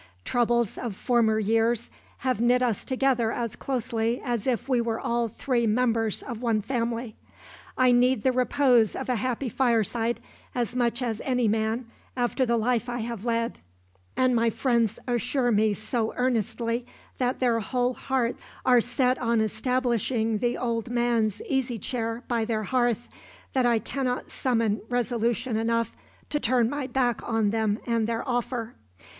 Troubles of former years have knit us together as closely as if we were all three members of one family. I need the repose of a happy fireside as much as any man, after the life I have led; and my friends assure me so earnestly that their whole hearts are set on establishing the old man's easy chair by their hearth, that I cannot summon resolution enough to turn my back on them and their offer.